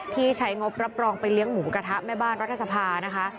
ที่ใช้งบรับรองไปเลี้ยงหมูกระทะแม่บ้านรัฐสภานะคะ